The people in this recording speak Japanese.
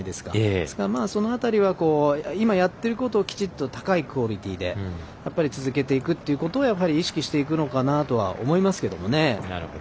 だから、その辺りは今やってることをきちんと高いクオリティーで続けていくということをやはり意識していくのかなとは思いますけどもね。